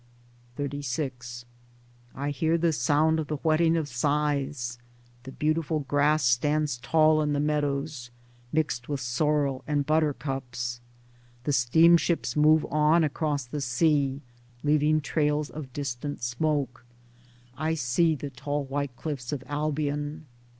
XXXVI I HEAR the sound of the whetting of scythes. The beautiful grass stands tall in the meadows, mixed with sorrel and buttercups; the steamships move on across the sea, leaving trails of distant smoke. I see the tall white cliffs of Albion.